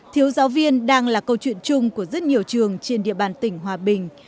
thiếu giáo viên đang là câu chuyện chung của rất nhiều trường trên địa bàn tỉnh hòa bình